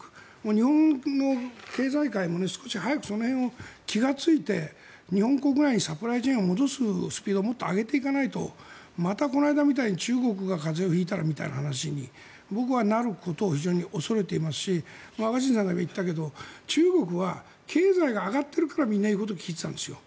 日本も経済界も少しその辺に気付いて日本国内にサプライチェーンを戻す動きをもっと上げていかないとまたこの間みたいに中国が風邪を引いたらみたいな話に僕はなることを非常に恐れていますし若新さんが今、言ったけど中国は経済が上がっているからみんな言うことを聞いていたんです。